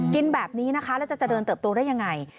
กินแบบนี้นะคะแล้วจะเติบโตได้อย่างไร